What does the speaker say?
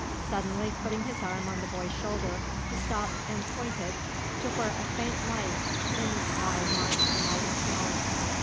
Suddenly, putting his arm on the boy's shoulder, he stopped and pointed to where a faint light in the sky marked the lighted town.